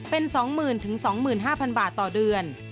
เป็น๒๐๐๐๒๕๐๐บาทต่อเดือน